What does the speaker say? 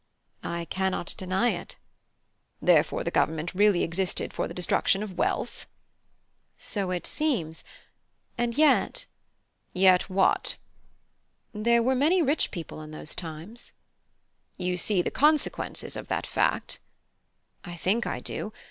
(I) I cannot deny it. (H.) Therefore the government really existed for the destruction of wealth? (I) So it seems. And yet (H.) Yet what? (I) There were many rich people in those times. (H.) You see the consequences of that fact? (I) I think I do.